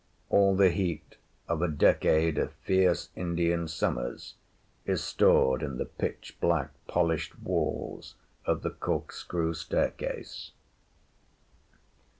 All the heat of a decade of fierce Indian summers is stored in the pitch black, polished walls of the corkscrew staircase.